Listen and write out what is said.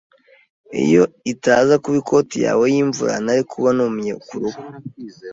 Iyo itaza kuba ikoti yawe yimvura, nari kuba numye kuruhu.